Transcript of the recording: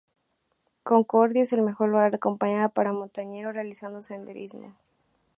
Concordia es el mejor lugar de acampada para montañeros realizando senderismo.